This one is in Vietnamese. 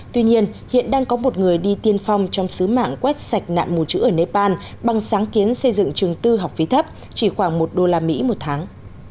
tuy nhiên hiện đang có một người đi tiên phong trong sứ mạng quét sạch nạn mù chữ ở nepal bằng sáng kiến xây dựng trường tư học phí thấp chỉ khoảng một usd một tháng